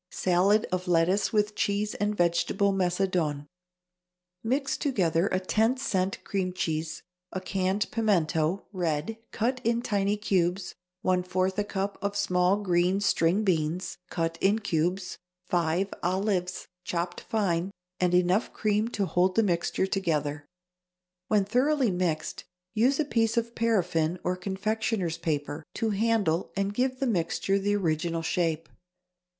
=Salad of Lettuce with Cheese and Vegetable Macedoine.= Mix together a ten cent cream cheese, a canned pimento (red) cut in tiny cubes, one fourth a cup of small green string beans, cut in cubes, five olives, chopped fine, and enough cream to hold the mixture together. When thoroughly mixed, use a piece of paraffine or confectioner's paper to handle and give the mixture the original shape.